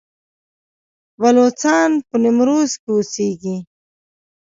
بلوڅان په نیمروز کې اوسیږي؟